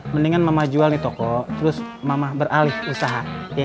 mendingan mama jual nih toko terus mama beralih usaha